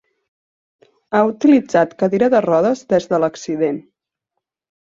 Ha utilitzat cadira de rodes des de l'accident.